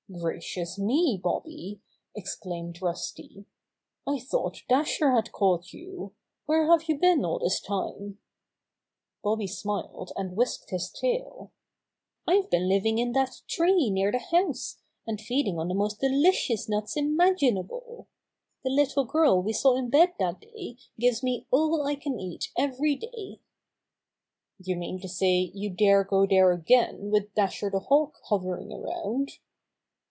"Gracious me, Bobby!" exclaimed Rusty. "I thought Dasher had caught you. Where have you been all this time!" Bobby smiled and whisked his tail. "I've been living in that tree near the house, and feeding on the most delicious nuts imaginable. The little girl we saw in bed that day gives me all I can eat every day," "You mean to say you dare go there again with Dasher the Hawk hovering around!"